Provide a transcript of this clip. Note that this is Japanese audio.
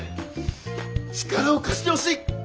力を貸してほしい。